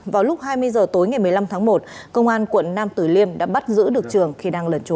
vào lúc hai mươi giờ tối ngày một mươi năm tháng một công an quận nam từ liêm đã bắt giữ được trường khi đang lợn trốn